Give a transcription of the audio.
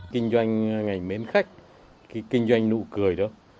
kinh doanh ngành mến khách kinh doanh nụ cười đó